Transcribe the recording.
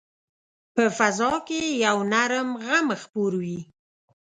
په فضا کې یو نرم غم خپور وي